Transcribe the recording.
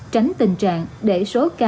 tránh tình trạng để số dịch bị phá hủy